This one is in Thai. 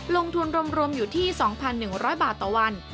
ลงทุนรวมอยู่ที่๒๑๐๐บาทต่อวัน